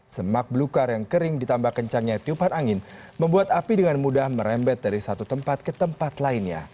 semak belukar yang kering ditambah kencangnya tiupan angin membuat api dengan mudah merembet dari satu tempat ke tempat lainnya